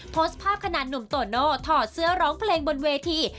โพสต์ภาพขนาดหนุ่มโตโน่ถอดเสื้อร้องเพลงบนเวที